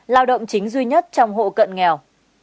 lao động chính duy nhất trong hộ cận nghèo